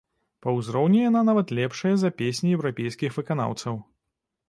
Па ўзроўні яна нават лепшая за песні еўрапейскіх выканаўцаў.